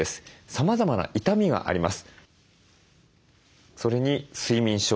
さまざまな痛みがあります。